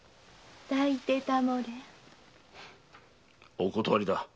お断りだ。